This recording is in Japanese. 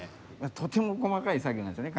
とても細かい作業なんですよね